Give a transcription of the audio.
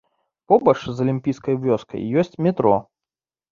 Побач з алімпійскай вёскай ёсць метро.